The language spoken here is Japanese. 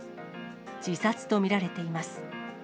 自殺と見られています。